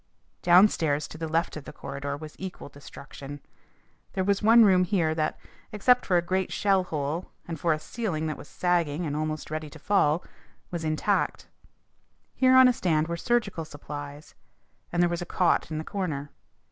Downstairs to the left of the corridor was equal destruction. There was one room here that, except for a great shell hole and for a ceiling that was sagging and almost ready to fall, was intact. Here on a stand were surgical supplies, and there was a cot in the corner.